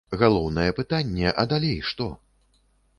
Галоўнае пытанне, а далей што?